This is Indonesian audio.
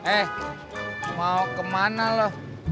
eh mau kemana lo